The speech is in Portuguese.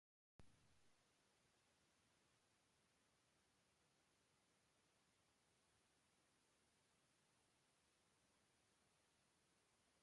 portátil, portabilidade, compilar, plataformas, arquitecturas